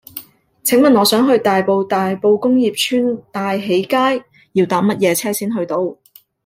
請問我想去大埔大埔工業邨大喜街要搭乜嘢車先去到